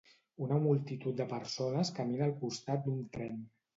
Una multitud de persones camina al costat d'un tren.